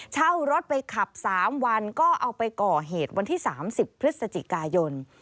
เช่ารถไปขับ๓วันก็เอาไปก่อเหตุวันที่๓๐พฤศจิกายน